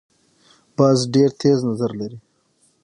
باز ډیر تېز نظر لري